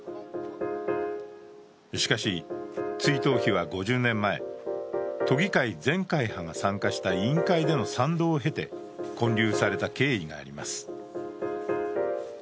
しかし、追悼碑は５０年前、都議会全会派が参加した委員会での賛同を経て、建立された経緯があります。